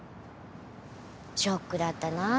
ショックだったなぁ。